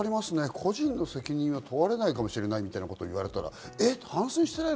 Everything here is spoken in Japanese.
個人の責任は問われないかもしれないみたいなこと言われたら、反省してないの？